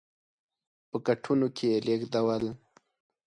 په کټونو کې یې لېږدول.